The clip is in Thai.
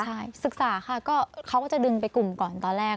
ใช่ศึกษาค่ะก็เขาก็จะดึงไปกลุ่มก่อนตอนแรก